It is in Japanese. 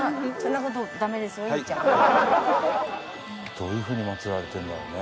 どういうふうに祭られてるんだろうね？